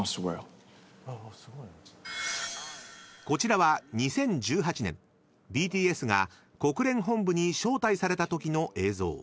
［こちらは２０１８年ＢＴＳが国連本部に招待されたときの映像］